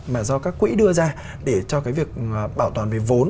mà do các quỹ đưa ra để cho cái việc bảo toàn về vốn